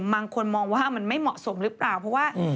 บางคนมองว่ามันไม่เหมาะสมหรือเปล่าเพราะว่า